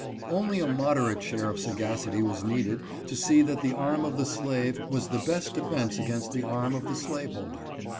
Only a moderate share of sagacity was needed to see that the arm of the slave was the best defense against the arm of the slaveholder.